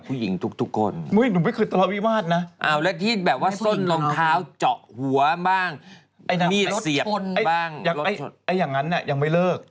ก่อนนั้นอันนั้นเขาแค่ตาม